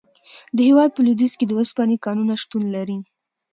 د هیواد په لویدیځ کې د اوسپنې کانونه شتون لري.